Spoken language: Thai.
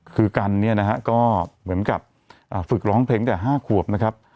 คือกันเนี่ยนะฮะก็เหมือนกับฝึกร้องเพลงแต่๕ขวบนะครับ